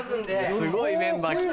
すごいメンバー来て。